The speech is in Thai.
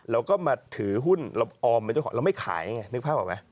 เราก็มาถือหุ้นเราออมเป็นเจ้าของเราไม่ขายไงนึกภาพออกไหม